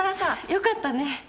良かったね。